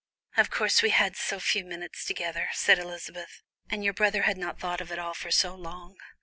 "Of course, we had so few minutes together," said Elizabeth, "and your brother had not thought of it all for so long.